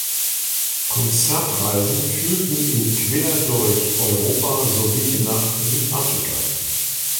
Konzertreisen führten ihn quer durch Europa sowie nach Südafrika.